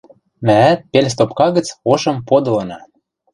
— Мӓӓт пел стопка гӹц ошым подылына.